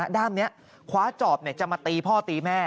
ด้ามนี้คว้าจอบจะมาตีพ่อตีแม่